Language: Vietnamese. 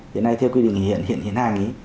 hiện nay theo quy định hiện hiện hành